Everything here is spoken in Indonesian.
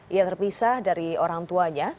ia terpisah dari orang tuanya